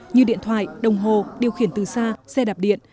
như điện thoại đồng hồ điều khiển từ xa xe đạp điện